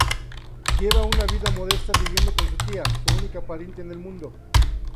Lleva una vida modesta viviendo con su tía, su única pariente en el mundo.